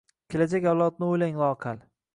Kelajak avlodni o’ylang loaqal –